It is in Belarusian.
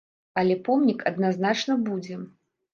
Але помнік адназначна будзе.